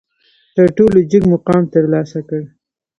تر ټولو جګ مقام ترلاسه کړ.